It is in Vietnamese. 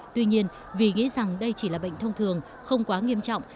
tuy nhiên vì nghĩ rằng đây chỉ là bệnh thông thường không quá nghiêm trọng